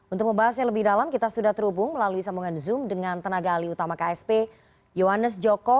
untuk membahasnya lebih dalam kita sudah terhubung melalui sambungan zoom dengan tenaga alih utama ksp yohanes joko